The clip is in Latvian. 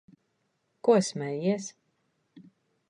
Ko smejies?